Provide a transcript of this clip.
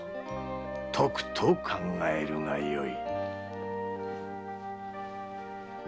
とくと考えるがよい。